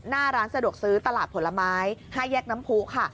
หน้าร้านสะดวกซื้อตลาดผลไม้๕แยกน้ำผู้ค่ะ